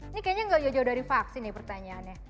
ini kayaknya gak jauh jauh dari vaksin nih pertanyaannya